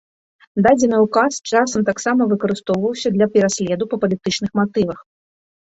Дадзены указ часам таксама выкарыстоўваўся для пераследу па палітычных матывах.